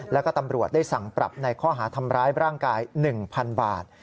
แล้วก็ตำรวจได้สั่งปรับในข้อหาทำร้ายร่างกาย๑๐๐๐บาท